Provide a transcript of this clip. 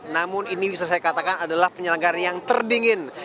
namun ini bisa saya katakan adalah penyelenggara yang terdingin